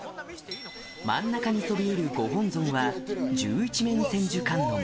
真ん中にそびえるご本尊は、十一面千手観音。